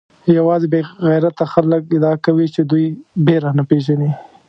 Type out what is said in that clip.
یوازې بې غیرته خلک ادعا کوي چې دوی بېره نه پېژني.